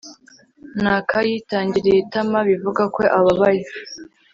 naka yitangiriye itama, bivuga ko ababaye